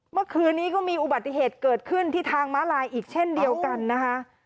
เมื่อคืนนี้ก็มีอุบัติเหตุเกิดขึ้นที่ทางม้าลายอีกเช่นเดียวกันนะคะ